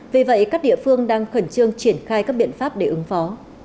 vì vậy các địa phương đang khẩn trương triển khai các biện pháp để ứng phó